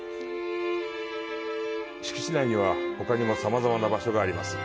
敷地内には、ほかにもさまざまな場所があります。